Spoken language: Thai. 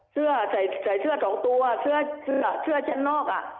เสื้อใส่เสียเชื่อต่องตัวเชื่อชันนอก